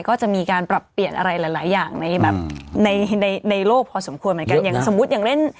ก็จะมีการปรับเปลี่ยนอะไรหลายอย่างในโลกพอสมควรเหมือนกัน